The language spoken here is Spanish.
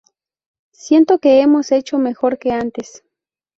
Siento que hemos hecho mejor que antes".